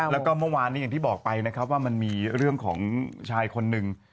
แล้วก็เมื่อวานนี้อย่างที่บอกไปนะครับว่ามันมีเรื่องของชายคนหนึ่ง